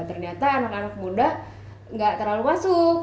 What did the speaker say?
ternyata anak anak muda nggak terlalu masuk